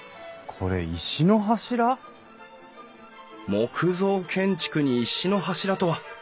木造建築に石の柱とは！